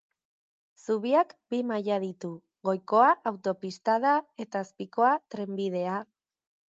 Zubiak bi maila ditu, goikoa autopista da eta azpikoa trenbidea.